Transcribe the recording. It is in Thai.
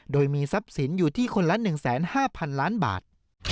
โดยมีทรัพย์สินอยู่ที่คนละ๑๕๐๐๐ล้านบาท